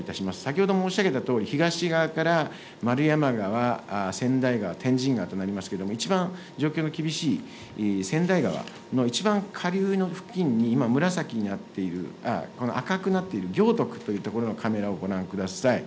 先ほど申し上げたとおり、東側からまるやま川、千代川、天神川となりますけれども、いちばん状況が厳しい千代川の一番下流の付近に、今、紫になっている、この赤くなっている行徳という所のカメラをご覧ください。